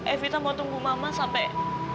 evita mau tunggu mama sampai